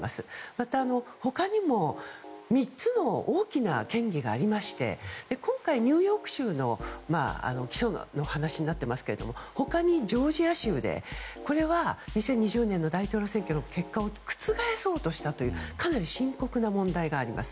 また、他にも３つの大きな嫌疑がありまして今回、ニューヨーク州の起訴の話になっていますけど他にジョージア州でこれは２０２０年の大統領選挙の結果を覆そうとしたというかなり深刻な問題があります。